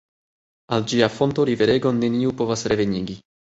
Al ĝia fonto riveregon neniu povas revenigi.